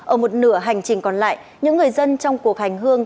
ở một nửa hành trình còn lại những người dân trong cuộc hành hương